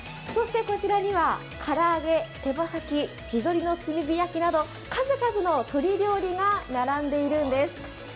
そしてこちらには、からあげ、手羽先、地鶏の炭火焼きなど数々の鶏料理が並んでいるんです。